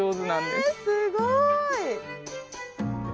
えすごい！